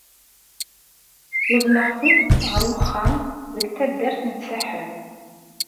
Uzneɣ-tent ɣer uxxam, deg taddart n Saḥel.